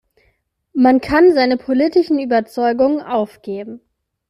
Man kann seine politischen Überzeugungen aufgeben.